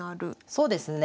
そうですね。